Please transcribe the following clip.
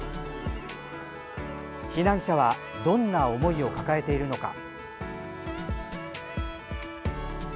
避難者はどんな思いを抱えているのか。